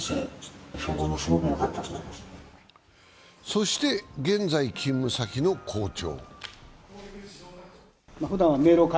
そして現在勤務先の校長。